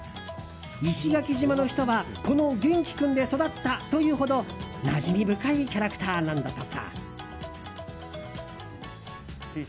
石垣島の人はこのゲンキ君で育ったというほどなじみ深いキャラクターなんだとか。